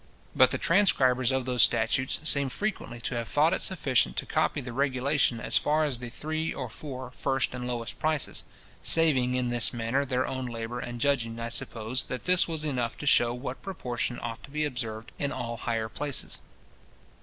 But the transcribers of those statutes seem frequently to have thought it sufficient to copy the regulation as far as the three or four first and lowest prices; saving in this manner their own labour, and judging, I suppose, that this was enough to show what proportion ought to be observed in all higher prices.